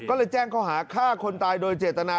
ก็เลยแจ้งเขาหาฆ่าคนตายโดยเจตนา